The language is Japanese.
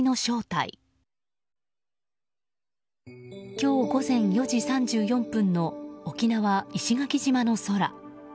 今日午前４時３４分の沖縄・石垣島の空。